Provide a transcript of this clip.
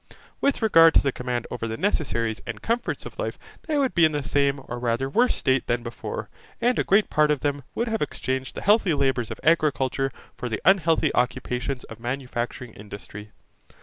With regard to the command over the necessaries and comforts of life, they would be in the same or rather worse state than before; and a great part of them would have exchanged the healthy labours of agriculture for the unhealthy occupations of manufacturing industry.